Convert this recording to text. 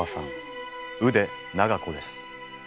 腕長子です。